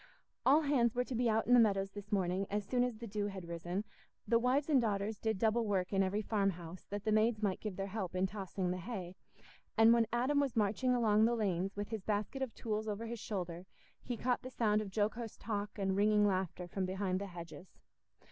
All hands were to be out in the meadows this morning as soon as the dew had risen; the wives and daughters did double work in every farmhouse, that the maids might give their help in tossing the hay; and when Adam was marching along the lanes, with his basket of tools over his shoulder, he caught the sound of jocose talk and ringing laughter from behind the hedges.